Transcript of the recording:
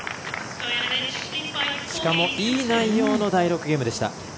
しかもいい内容の第６ゲームでした。